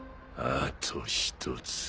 あと１つ。